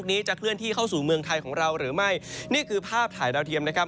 นี้จะเคลื่อนที่เข้าสู่เมืองไทยของเราหรือไม่นี่คือภาพถ่ายดาวเทียมนะครับ